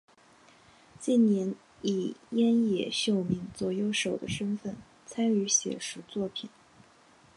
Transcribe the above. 近年以庵野秀明左右手的身份参与写实作品。